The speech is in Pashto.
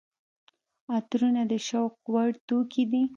عطرونه د شوق وړ توکي دي.